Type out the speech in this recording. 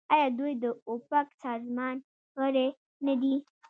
آیا دوی د اوپک سازمان غړي نه دي؟